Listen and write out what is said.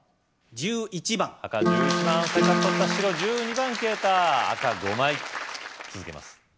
１１番赤１１番せっかく取った白１２番消えた赤５枚続けます